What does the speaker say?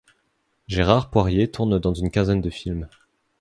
Gérard Poirier tourne dans une quinzaine de films.